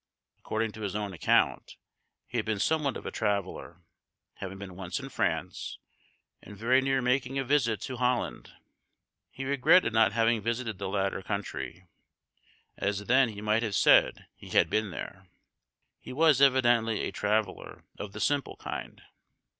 According to his own account, he had been somewhat of a traveller, having been once in France, and very near making a visit to Holland. He regretted not having visited the latter country, "as then he might have said he had been there." He was evidently a traveller of the simple kind.